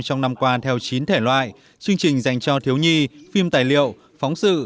trong năm qua theo chín thể loại chương trình dành cho thiếu nhi phim tài liệu phóng sự